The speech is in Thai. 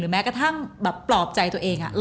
หรือแม้กระทั่งปลอบใจตัวเอง